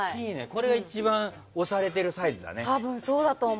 これが一番推されてるサイズだね。